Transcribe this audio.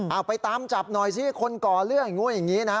เอาไปตามจับหน่อยสิคนก่อเรื่องอย่างนู้นอย่างนี้นะฮะ